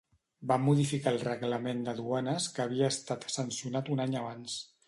Va modificar el reglament de duanes que havia estat sancionat un any abans.